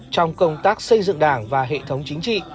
trong công tác xây dựng đảng và hệ thống chính trị